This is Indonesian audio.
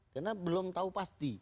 karena belum tahu pasti